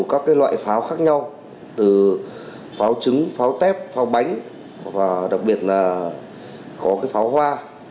các loại pháo khác nhau từ pháo trứng pháo tép pháo bánh và đặc biệt là có pháo hoa